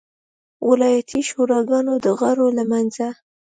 ولایتي شوراګانو د غړو له منځه.